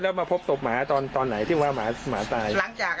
แล้วมาพบตบหมาตอนไหนที่ว่าหมาตาย